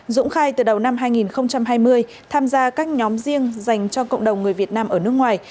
dũng khai từ đầu năm hai nghìn hai mươi tham gia các nhóm riêng dành cho cộng đồng người việt nam ở nước ngoài